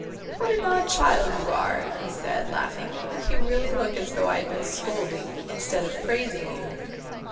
"What an odd child you are!" he said, laughing. "You really look as though I had been scolding, instead of praising you."